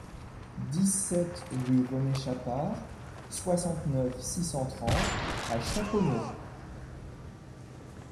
dix-sept rue René Chapard, soixante-neuf, six cent trente à Chaponost